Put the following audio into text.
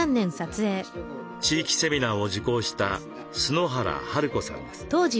地域セミナーを受講した春原治子さんです。